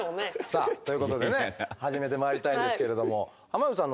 さあということでね始めてまいりたいんですけれども濱口さん